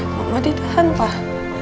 mama ditahan pak